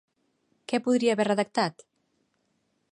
Què podria haver redactat?